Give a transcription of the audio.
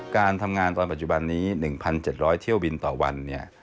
การทำงานตอนปัจจุบันนี้๑๗๐๐เที่ยวบินต่อวันเนี่ย